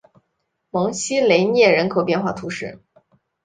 蒙西雷涅人口变化图示